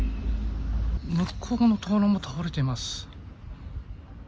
向こう側の灯籠も倒れています。